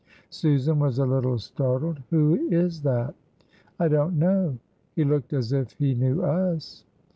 Susan was a little startled. "Who is that?" "I don't know." "He looked as if he knew us."